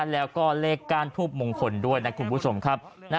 แล้วก็เลขก้านทูบมงคลด้วยนะคุณผู้ชมครับ